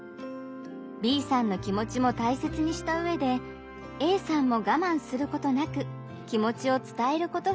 Ｂさんの気持ちも大切にした上でＡさんもがまんすることなく気持ちを伝えることができます。